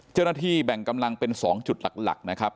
เจ้าหน้าที่แบ่งกำลังเป็น๒จุดหลักนะครับ